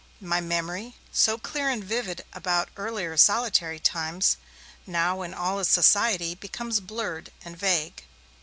My memory, so clear and vivid about earlier solitary times, now in all this society becomes blurred and vague.